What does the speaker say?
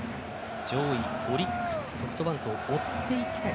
上位オリックス、ソフトバンクを追っていきたい